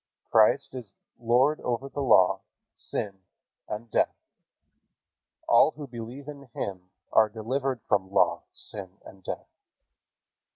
Christ is Lord over law, sin and death. All who believe in Him are delivered from law, sin and death.